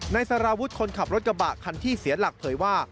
สารวุฒิคนขับรถกระบะคันที่เสียหลักเผยว่า